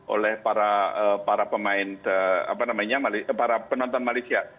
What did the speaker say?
oleh para penonton malaysia